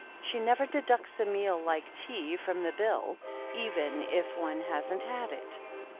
She never deducts a meal like tea from the bill, even if one hasn't had it."